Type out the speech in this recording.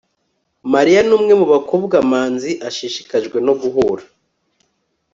mariya numwe mubakobwa manzi ashishikajwe no guhura